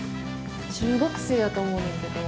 中学生やと思うねんけど。